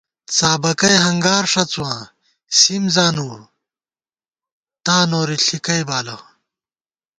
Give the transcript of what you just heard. څابَکئےہنگار ݭڅُواں سِم زانُو تا نوری ݪِکئےبالہ